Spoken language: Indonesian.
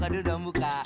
kok dulu udah buka